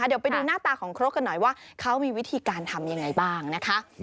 เดี๋ยวไปดูหน้าตาของครกกันหน่อยว่าเขามีวิธีการทำยังไงบ้างนะคะ